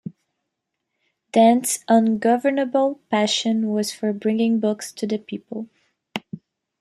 Dent's ungovernable passion was for bringing Books to the People.